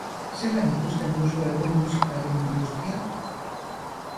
Zelan ikusten duzu egun musikaren industria?